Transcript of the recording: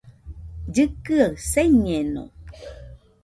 Llɨkɨaɨ señeno